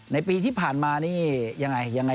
ในปีที่ผ่านมานี่ยังไงยังไง